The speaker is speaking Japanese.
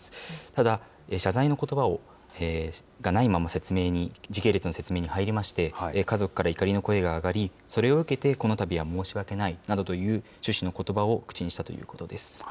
ただ謝罪のことばがないまま説明に、時系列に説明に入りまして、家族から怒りの声が上がり、それを受けて、このたびは申し訳ないなどという趣旨のことばを口にしたということです。